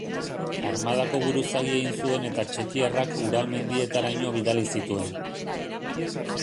Armadako buruzagi egin zuen eta txekiarrak Ural mendietaraino bidali zituen.